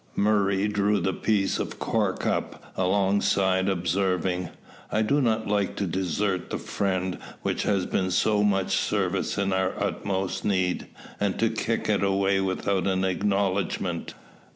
Murray drew the piece of cork up alongside, observing, "I do not like to desert the friend which has been of so much service in our utmost need, and to kick it away without an acknowledgment."